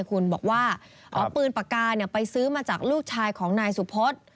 คุณบอกว่าเอาปืนปากกาไปซื้อมาจากลูกชายของนายสุพธ